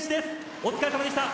お疲れさまでした。